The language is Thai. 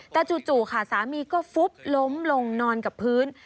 แต่จู่ค่ะสามีก็ฟุบล้มลงนอนกับพื้น